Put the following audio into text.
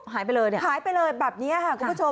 หายไปเลยเนี่ยหายไปเลยแบบนี้ค่ะคุณผู้ชม